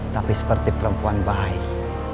tapi seperti perempuan baik